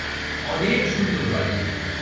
অনেক সুন্দর বাড়ি।